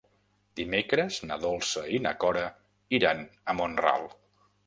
Dimecres na Dolça i na Cora iran a Mont-ral.